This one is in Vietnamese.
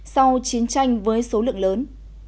sau chiến tranh với số lượng lớn